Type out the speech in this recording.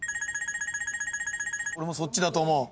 俺もそっちだと思う。